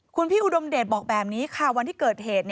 คุณพี่อุดมเดชบอกแบบนี้ค่ะวันที่เกิดเหตุ